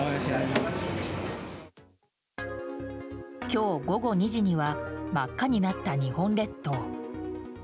今日午後２時には真っ赤になった日本列島。